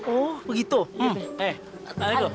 oh begitu eh sini tuh